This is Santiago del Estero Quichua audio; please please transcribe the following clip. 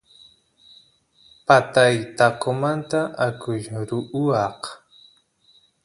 patay taqomanta akush ruwaq